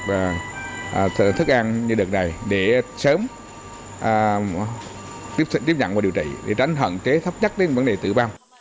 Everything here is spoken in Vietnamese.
những thức ăn như đợt này để sớm tiếp nhận và điều trị để tránh hạn chế thấp nhất đến vấn đề tự ban